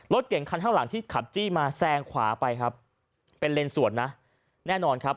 รถเก่งคันข้างหลังที่ขับจี้มาแซงขวาไปครับเป็นเลนสวนนะแน่นอนครับ